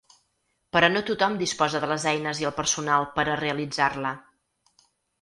Però no tothom disposa de les eines i el personal per a realitzar-la.